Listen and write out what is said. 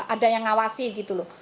ada yang ngawasi gitu loh